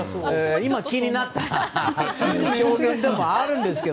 今、気になった表現でもあるんですが。